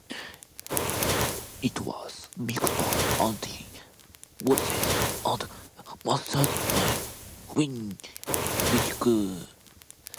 It was mixed by Andy Wallace and mastered by Howie Weinberg.